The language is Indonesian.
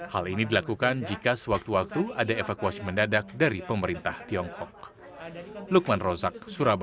hal ini dilakukan jika sewaktu waktu ada evakuasi mendadak dari pemerintah tiongkok